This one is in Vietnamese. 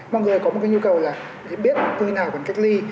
mọi người có một cái nhu cầu là biết khi nào còn cách ly